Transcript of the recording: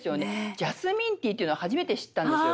「ジャスミン茶」っていうの初めて知ったんですよ